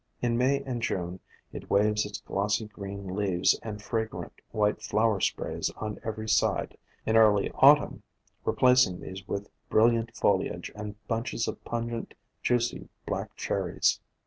In May and June it waves its glossy green leaves and fragrant white flower sprays on every side, in early Autumn replacing these with brilliant foli age and bunches of pungent, juicy black cherries.